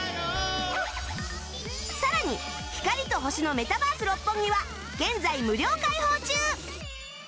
さらに光と星のメタバース六本木は現在無料開放中！